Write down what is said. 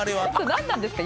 なんなんですか？